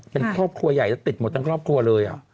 เป็นครอบครัวใหญ่แล้วติดหมดทั้งครอบครัวเลย